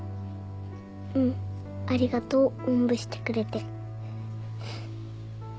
うんありがとうおんぶしてくれて。